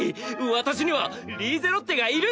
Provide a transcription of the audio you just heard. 私にはリーゼロッテがいる！